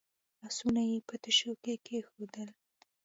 لاسونه یې په تشو کې کېښودل.